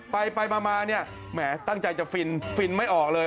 ไปมาเนี่ยแหมตั้งใจจะฟินฟินไม่ออกเลย